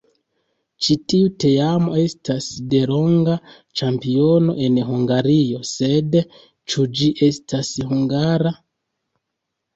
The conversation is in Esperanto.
Ĉi tiu teamo estas delonga ĉampiono en Hungario, sed ĉu ĝi estas hungara?